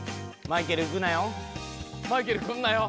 ［マイケルくるなよ］